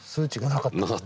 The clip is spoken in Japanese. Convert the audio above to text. なかった。